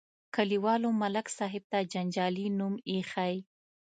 کلیوالو ملک صاحب ته جنجالي نوم ایښی.